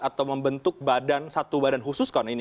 atau membentuk badan satu badan khusus